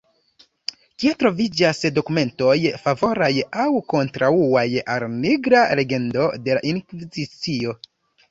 Kie troviĝas dokumentoj favoraj aŭ kontraŭaj al la Nigra legendo de la Inkvizicio.